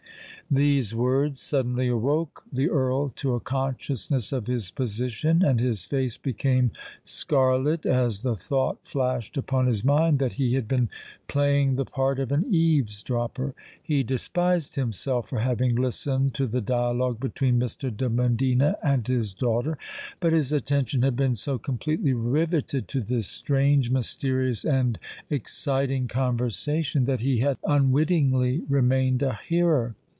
These words suddenly awoke the Earl to a consciousness of his position: and his face became scarlet as the thought flashed upon his mind that he had been playing the part of an eaves dropper. He despised himself for having listened to the dialogue between Mr. de Medina and his daughter: but his attention had been so completely rivetted to this strange—mysterious—and exciting conversation, that he had unwittingly remained a hearer.